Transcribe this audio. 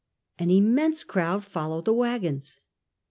An immense crowd followed the waggons.